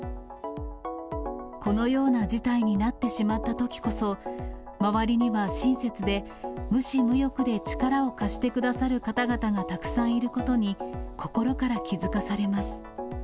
このような事態になってしまったときこそ、周りには親切で、無私無欲で力を貸してくださる方々がたくさんいることに、心から気付かされます。